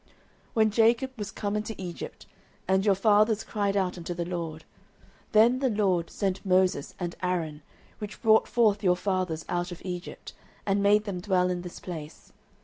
09:012:008 When Jacob was come into Egypt, and your fathers cried unto the LORD, then the LORD sent Moses and Aaron, which brought forth your fathers out of Egypt, and made them dwell in this place.